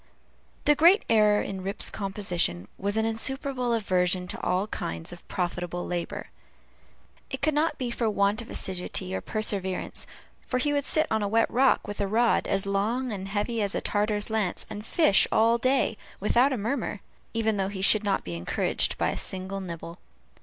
The great error in Rip's composition was an insuperable aversion to all kinds of profitable labor. It could not be for want of assiduity or perseverance; for he would sit on a wet rock, with a rod as long and heavy as a Tartar's lance, and fish all day without a murmur, even though he should not be encouraged by a single nibble.